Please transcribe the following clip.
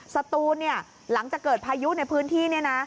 สตูนหลังจากเกิดพายุในพื้นที่เนี่ยนะ